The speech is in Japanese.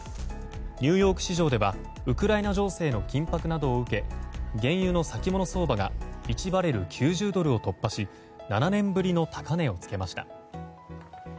ニューヨーク市場ではウクライナ情勢の緊迫などを受け原油の先物相場が１バレル＝９０ドルを突破し７年ぶりの高値を付けました。